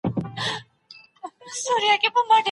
تاریخي پېښې اغېز لري.